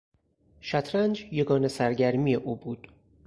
شطرنج یگانه سرگرمی او بود.